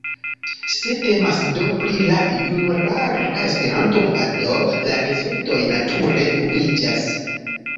Se temas do pri la junulara Esperanto-movado, la rezultoj nature obliĝas.